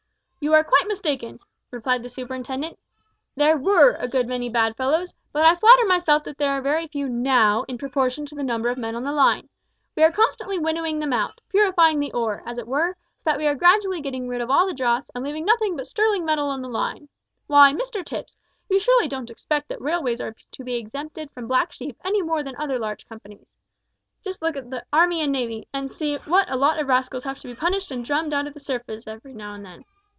"You are quite mistaken," replied the superintendent. "There were a good many bad fellows, but I flatter myself that there are very few now in proportion to the number of men on the line. We are constantly winnowing them out, purifying the ore, as it were, so that we are gradually getting rid of all the dross, and leaving nothing but sterling metal on the line. Why, Mr Tipps, you surely don't expect that railways are to be exempted from black sheep any more than other large companies. Just look at the army and navy, and see what a lot of rascals have to be punished and drummed out of the service every now and then.